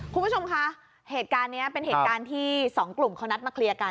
คุณผู้ชมคะเหตุการณ์นี้เป็นเหตุการณ์ที่สองกลุ่มเขานัดมาเคลียร์กัน